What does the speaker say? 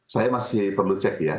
saya masih perlu cek ya